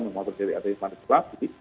memotori arti manipulasi